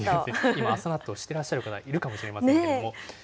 今、朝納豆している方もいるかもしれませんけれども。